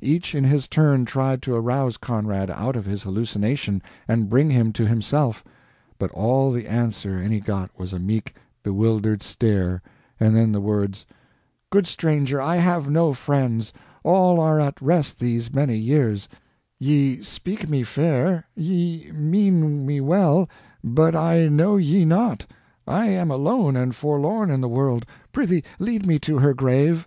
Each in his turn tried to arouse Conrad out of his hallucination and bring him to himself; but all the answer any got was a meek, bewildered stare, and then the words: "Good stranger, I have no friends, all are at rest these many years; ye speak me fair, ye mean me well, but I know ye not; I am alone and forlorn in the world prithee lead me to her grave."